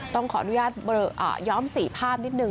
ต้องขออนุญาตย้อม๔ภาพนิดนึ